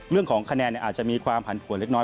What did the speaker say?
เรื่องของคะแนนอาจจะมีความผันผวนเล็กน้อย